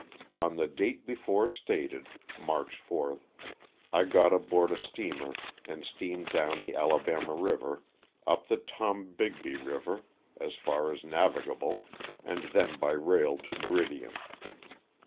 On the date before stated (March 4), I got aboard a steamer and steamed down the Ala bama river, up the Tombigbee river as far as navi gable, and then by rail to Meridian.